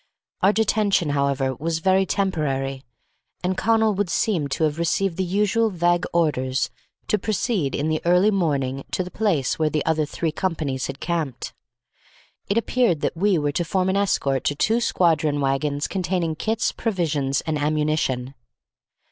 Our detention, however, was very temporary, and Connal would seem to have received the usual vague orders to proceed in the early morning to the place where the other three companies had camped. It appeared that we were to form an escort to two squadron wagons containing kits, provisions, and ammunition.